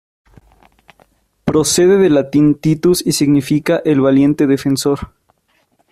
Procede del latín Titus y significa "El valiente defensor".